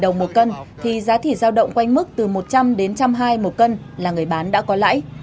sáu mươi đồng một cân thì giá thịt giao động quanh mức từ một trăm linh đến một trăm hai mươi một cân là người bán đã có lãi